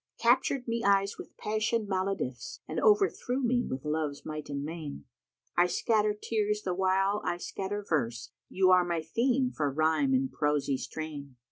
Captured me eyes with passion maladifs, * And overthrew me with Love's might and main: I scatter tears the while I scatter verse; * You are my theme for rhyme and prosy strain.